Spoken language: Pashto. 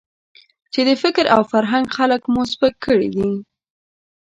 چې د فکر او فرهنګ خلک مو سپک کړي دي.